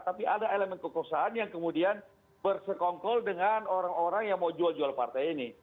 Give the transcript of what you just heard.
tapi ada elemen kekuasaan yang kemudian bersekongkol dengan orang orang yang mau jual jual partai ini